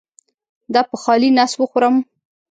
دا په خالي نس وخورم؟